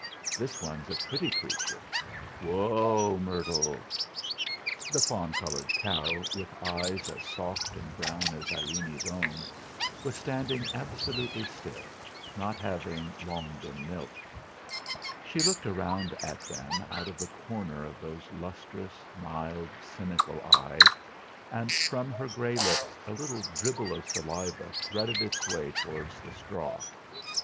This one's a pretty creature. Woa, Myrtle!" The fawn coloured cow, with eyes as soft and brown as Irene's own, was standing absolutely still, not having long been milked. She looked round at them out of the corner of those lustrous, mild, cynical eyes, and from her grey lips a little dribble of saliva threaded its way towards the straw.